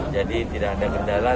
jadi tidak ada kendala